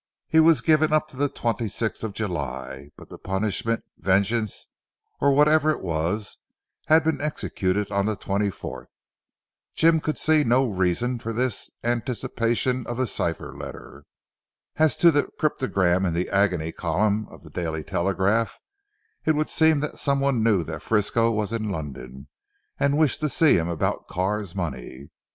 He was given up to the twenty sixth of July, but the punishment, vengeance, or whatever it was had been executed on the twenty fourth. Jim could see no reason for this anticipation of the cipher letter. As to the cryptogram in the agony Column of the "Daily Telegraph," it would seem that someone knew that Frisco was in London and wished to see him about Carr's money.